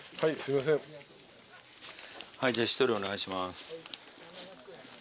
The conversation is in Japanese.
じゃあ１人お願いします。